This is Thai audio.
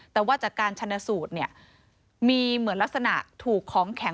แต่ว่าจากการชนะสูตรเนี่ยมีเหมือนลักษณะถูกของแข็ง